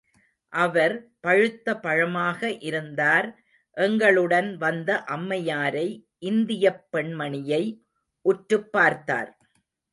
அவர் பழுத்த பழமாக இருந்தார் எங்களுடன் வந்த அம்மையாரை இந்தியப் பெண்மணியை உற்றுப் பார்த்தார்.